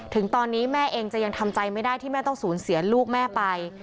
ถึงตอนนี้แม่เองจะยังทำใจไม่ได้ที่แม่ต้องสูญเสียลูกแม่ไป